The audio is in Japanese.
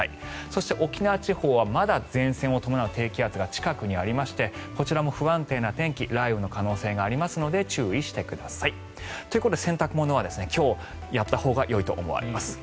そして沖縄地方はまだ前線を伴う低気圧が近くにありましてこちらも不安定な天気雷雨の可能性があるので注意してください。ということで洗濯物は今日やったほうがいいと思われます。